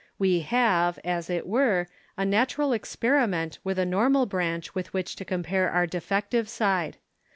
We have, as it were, a natural experiment with a normal branch with which to compare our defective side.